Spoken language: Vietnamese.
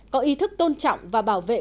có ý thức tôn trọng và bảo vệ